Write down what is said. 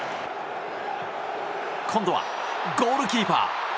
今度は、ゴールキーパー。